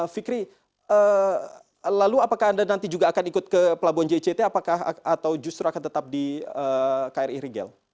fikri lalu apakah anda nanti juga akan ikut ke pelabuhan jct apakah atau justru akan tetap di kri rigel